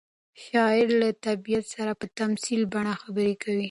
شاعر له طبیعت سره په تمثیلي بڼه خبرې کوي.